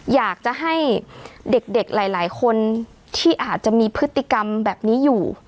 อยากจะให้เด็กหลายคนที่อาจจะมีพฤติกรรมแบบนี้อยู่